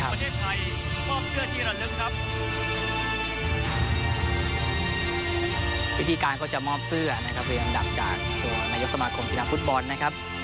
วิธีการเขาจะมอบเสื้อนะครับเป็นอันดับจากตัวนายกสมาคมกินัมฟุตบอลนะครับ